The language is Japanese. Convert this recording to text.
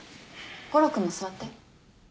悟郎君も座って。